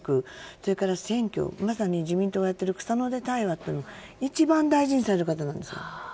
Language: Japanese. それから選挙まさに自民党がやっている草の根対話という一番大事にされる方なんです。